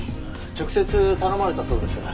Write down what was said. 直接頼まれたそうです。